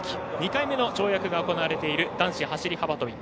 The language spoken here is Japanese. ２回目の跳躍が行われている男子走り幅跳び。